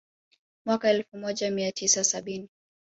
Mwaka elfu moja mia tisa sabini